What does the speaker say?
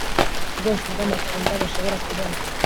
bwose bwamatunda bashobora kubona